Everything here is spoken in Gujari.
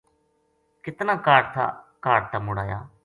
کتنا کاہڈ تا مُڑ آیا